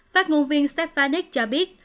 phát ngôn viên stephanec cho biết